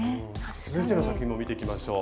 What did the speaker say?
続いての作品も見ていきましょう。